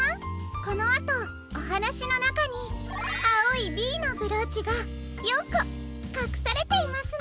このあとおはなしのなかにあおい「Ｂ」のブローチが４こかくされていますの。